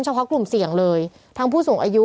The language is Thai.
เพาะกลุ่มเสี่ยงเลยทั้งผู้สูงอายุ